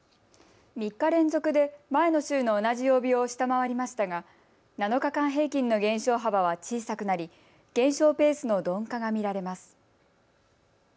３日連続で前の週の同じ曜日を下回りましたが、７日間平均の減少幅は小さくなり減少ペースの鈍化が見られます。